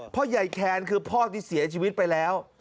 พ่อใหญ่แคนคือพ่อที่เสียชีวิตไปแล้ว